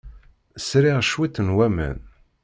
Sriɣ cwiṭ n waman.